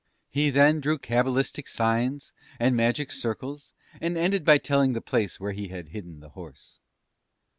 "He then drew cabalistic signs, and magic circles, and ended by telling the place where he had hidden the horse.